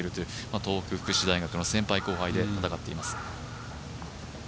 東北福祉大学の先輩後輩で戦っています。